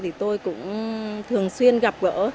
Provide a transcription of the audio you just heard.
thì tôi cũng thường xuyên gặp gỡ